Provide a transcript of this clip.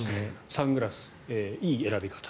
サングラスのいい選び方。